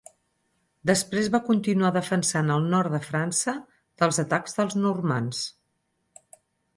Després va continuar defensant el nord de França dels atacs dels normands.